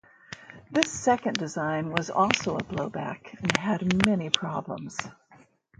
This second design was also a blow back, and had many problems.